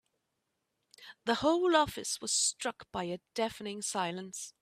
The whole office was struck by a deafening silence.